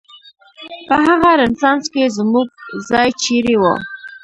په هغه رنسانس کې زموږ ځای چېرې و؟